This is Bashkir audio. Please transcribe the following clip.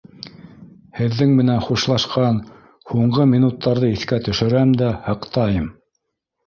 Һеҙҙең менән хушлашҡан һуңғы минуттарҙы иҫкә төшөрәм дә һыҡтайым.